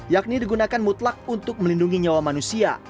yakni digunakan mutlak untuk melindungi nyawa manusia